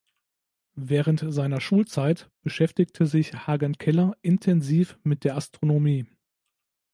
Während seiner Schulzeit beschäftigte sich Hagen Keller intensiv mit der Astronomie.